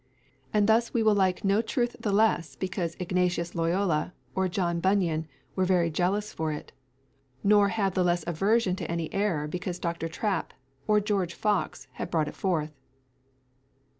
And thus we will like no truth the less because Ignatius Loyola or John Bunyan were very jealous for it, nor have the less aversion to any error because Dr. Trapp or George Fox had brought it forth."